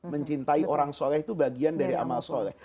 mencintai orang soleh itu bagian dari amal soleh